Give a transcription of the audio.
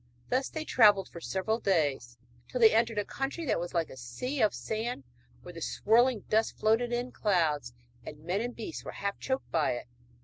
Thus they travelled for several days, till they entered a country that was like a sea of sand, where the swirling dust floated in clouds, and men and beasts were half choked by it.